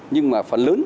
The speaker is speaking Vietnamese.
nhưng mà phần lớn